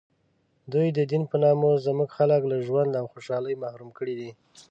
دوی د دین په نامه زموږ خلک له ژوند و خوشحالۍ محروم کړي دي.